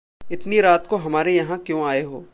इतनी रात को हमारे यहाँ क्यों आए हो?